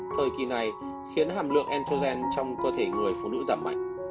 thời kỳ này khiến hàm lượng antolgen trong cơ thể người phụ nữ giảm mạnh